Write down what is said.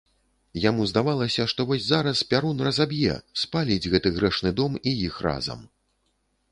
Яму здавалася, што вось зараз пярун разаб'е, спаліць гэты грэшны дом і іх разам.